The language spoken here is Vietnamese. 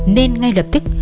nên ngay lập tức